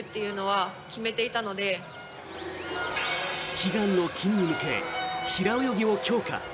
悲願の金に向け平泳ぎを強化。